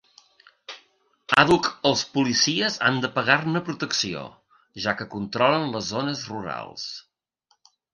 Àdhuc els policies han de pagar-ne protecció, ja que controlen les zones rurals.